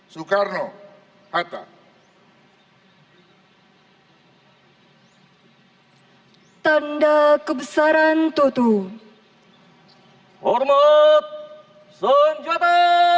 soekarno hatta tanda kebesaran tutu hormat senjata